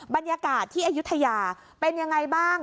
บรรยากาศที่อายุทยาเป็นยังไงบ้าง